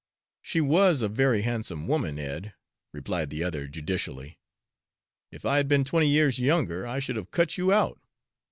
"She was a very handsome woman, Ed," replied the other judicially. "If I had been twenty years younger, I should have cut you out."